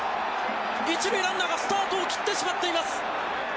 一塁ランナーがスタートを切ってしまっています。